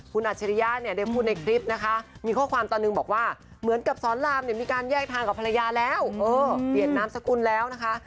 คุณอัจฉริยะเนี่ยได้พูดในคลิปนะคะมีข้อความตอนหนึ่งบอกว่าเหมือนกับสอนรามเนี่ยมีการแยกทางกับภรรยาแล้วเปลี่ยนนามสกุลแล้วนะคะ